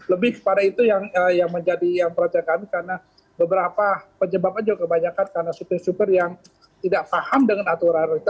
lebih kepada itu yang menjadi perhatian kami karena beberapa penyebabnya juga kebanyakan karena supir supir yang tidak paham dengan aturan